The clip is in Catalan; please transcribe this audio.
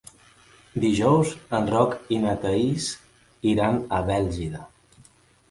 Dijous en Roc i na Thaís iran a Bèlgida.